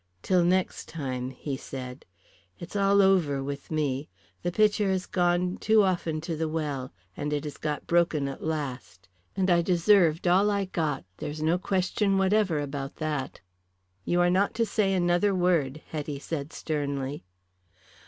"Till next time," he said. "It's all over with me. The pitcher has gone too often to the well, and it has got broken at last. And I deserved all I got there is no question whatever about that." "You are not to say another word," Hetty said sternly.